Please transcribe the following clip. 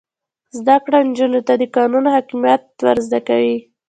زده کړه نجونو ته د قانون حاکمیت ور زده کوي.